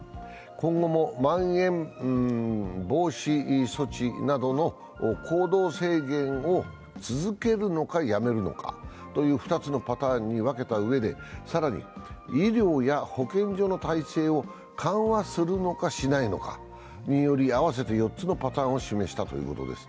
今後も、まん延防止措置などの行動制限を続けるのか、やめるのかという２つのパターンに分けたうえで更に、医療や保健所の体制を緩和するのか、しないのかにより、合わせて４つのパターンを示したというきことです。